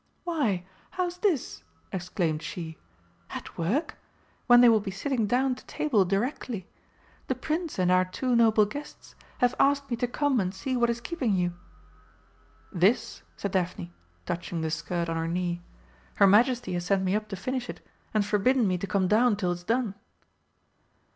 "Why, how's this?" exclaimed she. "At work! When they will be sitting down to table directly! The Prince and our two noble guests have asked me to come and see what is keeping you." "This," said Daphne, touching the skirt on her knee. "Her Majesty has sent me up to finish it, and forbidden me to come down till it's done."